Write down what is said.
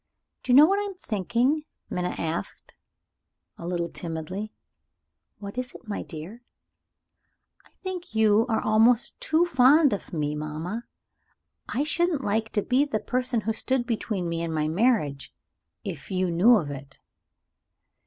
"Do you know what I am thinking?" Minna asked, a little timidly. "What is it, my dear?" "I think you are almost too fond of me, mamma. I shouldn't like to be the person who stood between me and my marriage if you knew of it."